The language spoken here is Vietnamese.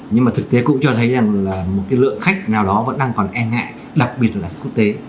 nhưng mà thực tế cũng cho thấy rằng là một cái lượng khách nào đó vẫn đang còn e ngại đặc biệt là khách quốc tế